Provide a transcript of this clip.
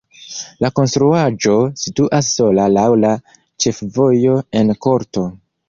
La konstruaĵo situas sola laŭ la ĉefvojo en korto.